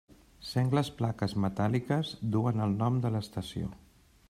Sengles plaques metàl·liques duen el nom de l'estació.